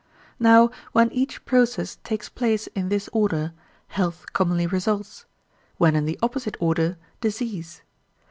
Now when each process takes place in this order, health commonly results; when in the opposite order, disease.